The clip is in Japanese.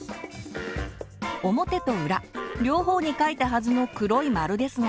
表と裏両方にかいたはずの黒い丸ですが。